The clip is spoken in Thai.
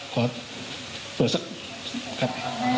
ขอเปิดสักครับ